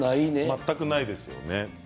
全くないですね。